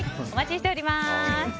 お待ちしております。